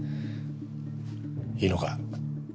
いいのか？